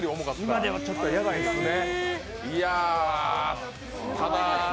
今のでも、ちょっとヤバいですね。